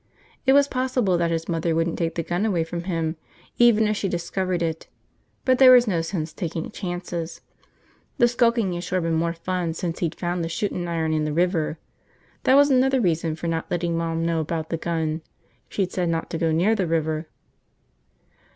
It was possible that his mother wouldn't take the gun away from him even if she discovered it, but there was no sense taking chances. The skulking had sure been more fun since he'd found the shootin' iron in the river. That was another reason for not letting Mom know about the gun. She'd said not to go near the river.